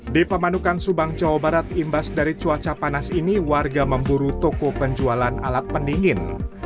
di pemanukan subang jawa barat imbas dari cuaca panas ini warga memburu toko penjualan alat pendingin